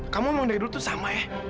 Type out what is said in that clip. kamu emang dari dulu tuh sama ya